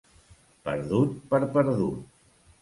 Perdut per perdut.